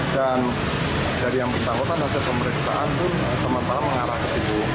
dan dari yang bersangkutan hasil pemeriksaan itu sementara mengarah ke situ